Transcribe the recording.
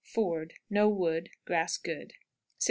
Ford. No wood; grass good. 6 1/4.